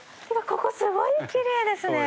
ここすごいきれいですね。